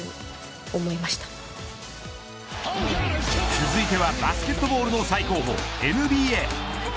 続いてはバスケットボールの最高峰ＮＢＡ。